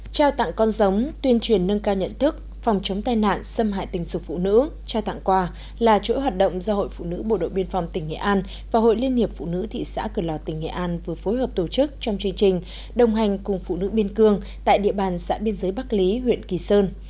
trao tặng con giống tuyên truyền nâng cao nhận thức phòng chống tai nạn xâm hại tình dục phụ nữ trao tặng quà là chỗ hoạt động do hội phụ nữ bộ đội biên phòng tỉnh nghệ an và hội liên hiệp phụ nữ thị xã cửa lò tỉnh nghệ an vừa phối hợp tổ chức trong chương trình đồng hành cùng phụ nữ biên cương tại địa bàn xã biên giới bắc lý huyện kỳ sơn